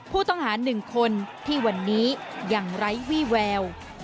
ผู้ต้องหา๑คนที่วันนี้ยังไร้วี่แวว